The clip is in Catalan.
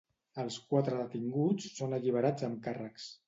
Els quatre detinguts són alliberats amb càrrecs.